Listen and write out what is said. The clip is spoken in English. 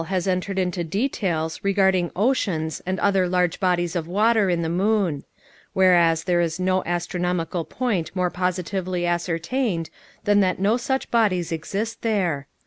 has entered into details regarding oceans and other large bodies of water in the moon; whereas there is no astronomical point more positively ascertained than that no such bodies exist there.